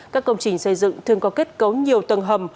các công trình xây dựng thường có kết cấu nhiều tầng hầm